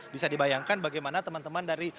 bisa dibayangkan bagaimana teman teman dari